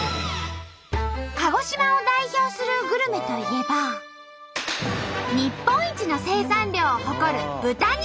鹿児島を代表するグルメといえば日本一の生産量を誇る豚肉。